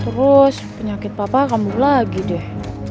terus penyakit papa kambuh lagi deh